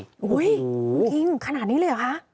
โอ้โหยิงขนาดนี้เลยเหรอคะ